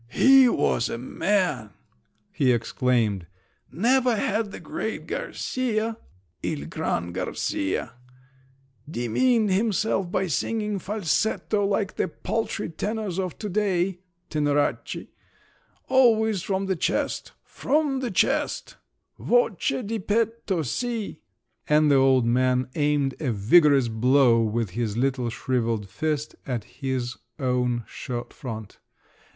"He was a man!" he exclaimed. "Never had the great Garcia (il gran Garcia) demeaned himself by singing falsetto like the paltry tenors of to day—tenoracci; always from the chest, from the chest, voce di petto, si!" and the old man aimed a vigorous blow with his little shrivelled fist at his own shirt front!